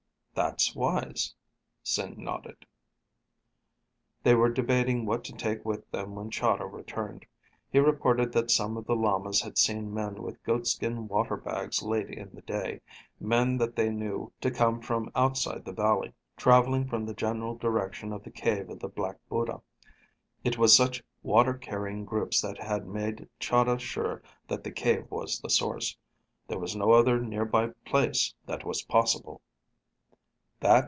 "That's wise," Sing nodded. They were debating what to take with them when Chahda returned. He reported that some of the lamas had seen men with goatskin water bags late in the day, men that they knew to come from outside the valley, traveling from the general direction of the Cave of the Black Buddha. It was such water carrying groups that had made Chahda sure that the cave was the source. There was no other near by place that was possible.